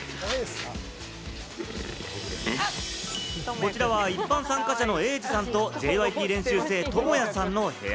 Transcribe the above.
こちらは一般参加者のエイジさんとＪＹＰ練習生・トモヤさんの部屋。